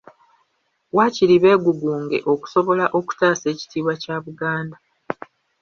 Waakiri beegugunge okusobola okutaasa ekitiibwa kya Buganda.